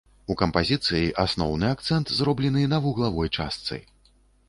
У кампазіцыі асноўны акцэнт зроблены на вуглавой частцы.